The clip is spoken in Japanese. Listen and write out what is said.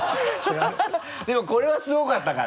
でもこれはすごかったから。